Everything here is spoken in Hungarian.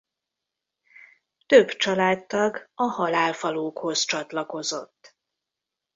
Több családtag a Halálfalókhoz csatlakozott.